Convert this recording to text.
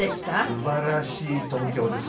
すばらしい東京ですね。